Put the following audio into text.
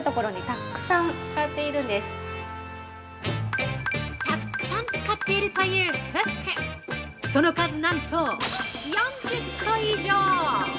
◆たくさん使っているというフックその数なんと４０個以上！